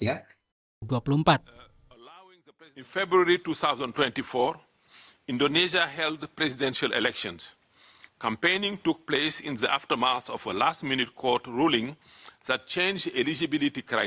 apa yang diperlukan untuk memastikan orang orang yang berkualitas tinggi